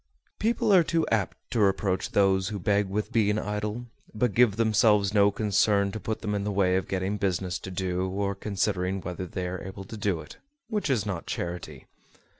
People are too apt to reproach those who beg with being idle, but give themselves no concern to put them in the way of getting business to do, or considering whether they are able to do it, which is not charity.